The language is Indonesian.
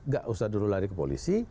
gak usah dulu lari ke polisi